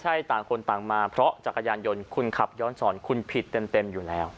ใช่ต่างคนต่างมาเพราะจักรยานยนต์คุณขับย้อนสอนคุณผิดเต็มอยู่แล้ว